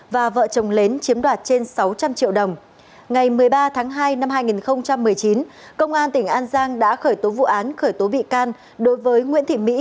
và vợ chồng lớn chiếm đoạt trên sáu trăm linh triệu đồng ngày một mươi ba tháng hai năm hai nghìn một mươi chín công an tỉnh an giang đã khởi tố vụ án khởi tố bị can đối với nguyễn thị mỹ